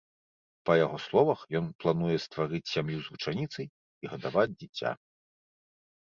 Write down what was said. Па яго словах, ён плануе стварыць сям'ю з вучаніцай і гадаваць дзіця.